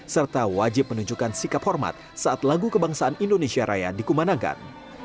serta wajib menunjukkan sikap hormat saat lagu kebangsaan indonesia raya dikumenangkan